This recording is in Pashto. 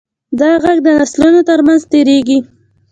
دا غږ د نسلونو تر منځ تېرېږي.